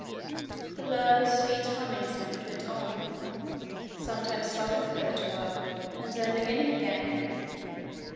The low sweet humming sound went on, sometimes stopping for a little while and then beginning again.